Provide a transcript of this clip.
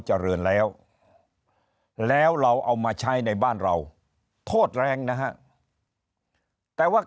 เจริญแล้วแล้วเราเอามาใช้ในบ้านเราโทษแรงนะฮะแต่ว่า